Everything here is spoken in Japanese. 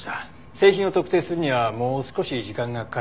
製品を特定するにはもう少し時間がかかりそうです。